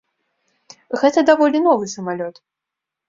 Гэта даволі новы самалёт.